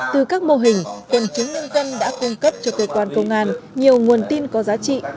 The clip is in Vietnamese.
từ các mô hình quần chúng nhân dân đã cung cấp cho cơ quan công an nhiều nguồn tin có giá trị